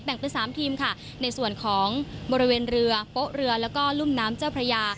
แบ่งเป็น๓ทีมในส่วนของบริเวณเรือโป๊ะเรือและก็ลุ่มน้ำเจ้าพระยา